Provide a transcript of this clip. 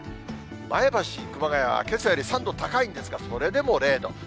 前橋、熊谷はけさより３度高いんですが、それでも０度。